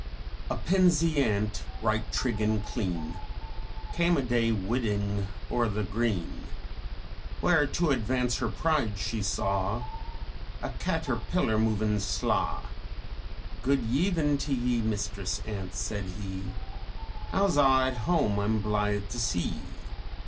"_A pensy ant, right trig and clean, Came ae day whidding o'er the green, Where, to advance her pride, she saw A Caterpillar, moving slaw. 'Good ev'n t' ye, Mistress Ant,' said he; 'How's a' at home? I'm blyth to s' ye!'